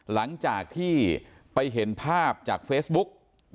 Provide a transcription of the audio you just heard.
หลังจากที่ไปเห็นภาพจากเฟซบุ๊ก